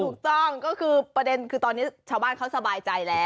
ถูกต้องก็คือประเด็นคือตอนนี้ชาวบ้านเขาสบายใจแล้ว